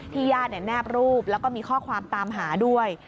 ญาติแนบรูปแล้วก็มีข้อความตามหาด้วย